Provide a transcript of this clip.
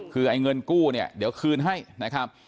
คือไอ้เงินกู้เนี่ยเดี๋ยวคืนให้นะครับ